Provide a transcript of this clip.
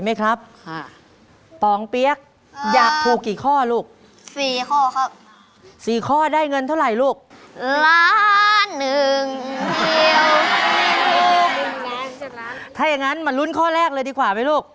ถ้าอย่างนั้นมาลุ้นข้อแรกเลยดีกว่าไหมลูก